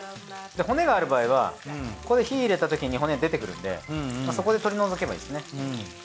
骨がある場合はこれで火入れたときに骨出てくるんでそこで取り除けばいいですね。